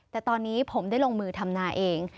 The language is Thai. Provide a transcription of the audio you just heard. แต่ตอนนี้ผมได้ลงมือทำนาเอง